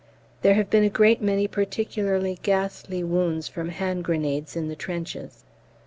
There have been a great many particularly ghastly wounds from hand grenades in the trenches.